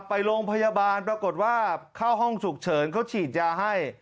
ไปโรงพยาบาลปรากฏว่าเข้าห้องฉุกเฉินเขาฉีดยาให้